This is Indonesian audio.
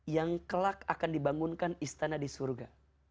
yang kelak akan dibangunkan istana di surga